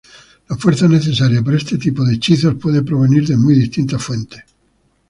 La fuerza necesaria para este tipo de hechizos puede provenir de muy distintas fuentes.